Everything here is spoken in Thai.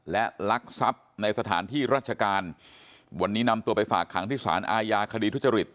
และลักทรัพย์ในสถานที่ราชการวันนี้นำตัวไปฝากขังที่สารอาญาคดีทุจริต